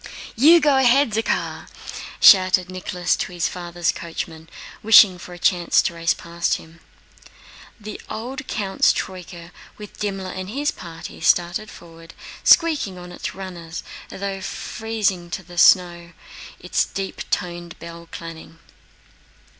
"You go ahead, Zakhár!" shouted Nicholas to his father's coachman, wishing for a chance to race past him. The old count's troyka, with Dimmler and his party, started forward, squeaking on its runners as though freezing to the snow, its deep toned bell clanging.